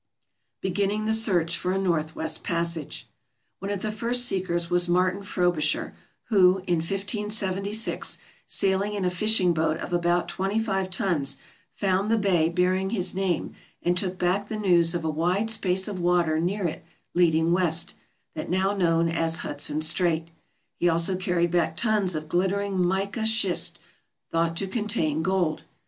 Beginning the Search for a Northwest Passage One of the first seekers was Martin Frobisher, who, in 1576, sailing in a fishing boat of about 25 tons, found the bay bearing his name and took back the news of a wide space of water near it leading west, that now known as Hudson Strait; he also carried back tons of glittering mica schist thought to contain gold.